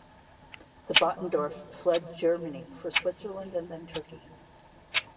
Sebottendorf fled Germany for Switzerland and then Turkey.